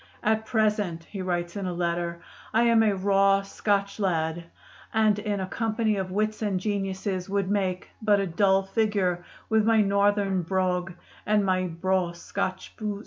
"At present," he writes in a letter, "I am a raw Scotch lad, and in a company of wits and geniuses would make but a dull figure with my northern brogue and my 'braw Scotch boos.'"